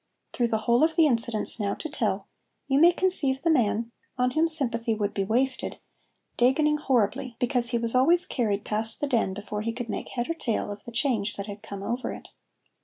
Through the whole of the incidents now to tell, you may conceive the man (on whom sympathy would be wasted) dagoning horribly, because he was always carried past the den before he could make head or tail of the change that had come over it.